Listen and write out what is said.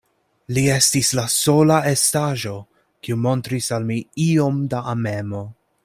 Li estis la sola estaĵo, kiu montris al mi iom da amemo.